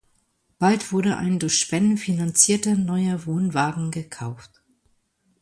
Bald wurde ein durch Spenden finanzierter neuer Wohnwagen gekauft.